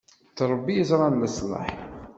D Ṛebbi i yeẓran leṣlaḥ.